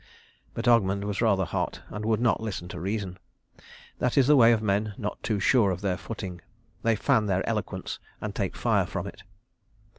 But Ogmund was rather hot, and would not listen to reason. That is the way of men not too sure of their footing; they fan their eloquence and take fire from it.